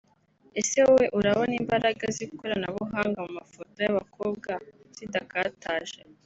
Ese wowe urabona imbaraga z’ikoranabuhanga mu mafoto y’abakobwa zidakataje